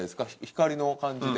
光の感じで。